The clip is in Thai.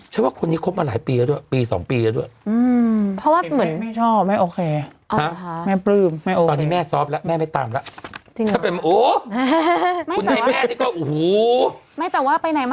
ว่าคนนี้คบมาหลายปีแล้วด้วยปี๒ปีแล้วด้วย